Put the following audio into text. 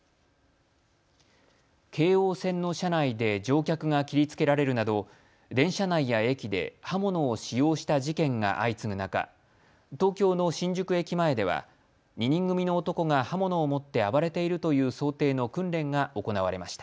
京王線の車内で乗客が切りつけられるなど電車内や駅で刃物を使用した事件が相次ぐ中、東京の新宿駅前では２人組の男が刃物を持って暴れているという想定の訓練が行われました。